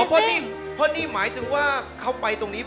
เพราะที่หมายถึงเข้าไปตรงนี้